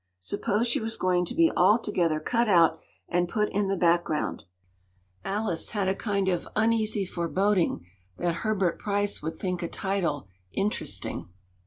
Suppose she was going to be altogether cut out and put in the background? Alice had a kind of uneasy foreboding that Herbert Pryce would think a title “interesting.